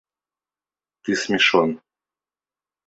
– Ты смешон.